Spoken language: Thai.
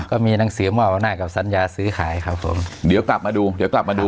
ก็มีหนังสือมอบอำนาจกับสัญญาซื้อขายครับผมเดี๋ยวกลับมาดูเดี๋ยวกลับมาดู